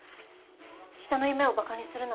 人の夢をバカにするなんて。